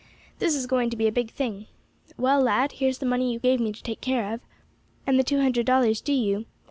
This is going to be a big thing. Well, lad, here's the money you gave me to take care of, and the two hundred dollars due to you.